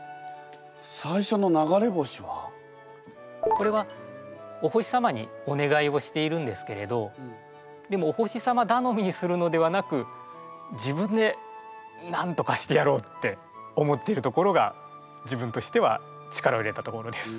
最初のこれはおほしさまにお願いをしているんですけれどでもおほしさまだのみにするのではなく自分でなんとかしてやろうって思ってるところが自分としては力を入れたところです。